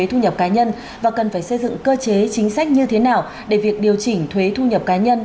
thuế thu nhập cá nhân và cần phải xây dựng cơ chế chính sách như thế nào để việc điều chỉnh thuế thu nhập cá nhân